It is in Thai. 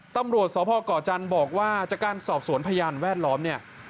ตำรวจสพก่อจันทร์บอกว่าจากการสอบสวนพยานแวดล้อมเนี่ย